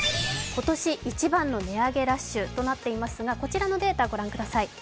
今年一番の値上げラッシュとなっていますが、こちらのデータ、ご覧ください。